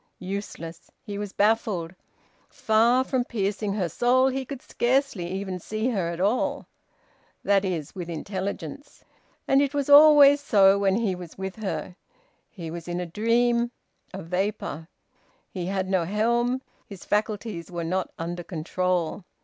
... Useless! He was baffled. Far from piercing her soul, he could scarcely even see her at all; that is, with intelligence. And it was always so when he was with her: he was in a dream, a vapour; he had no helm, his faculties were not under control.